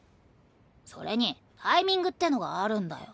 それにタイミングってのがあるんだよ。